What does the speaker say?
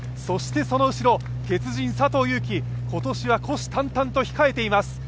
そして、その後ろ鉄人・佐藤悠基、今年は虎視眈々と控えています。